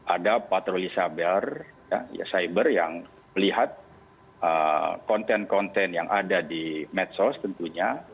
ada patroli cyber yang melihat konten konten yang ada di medsos tentunya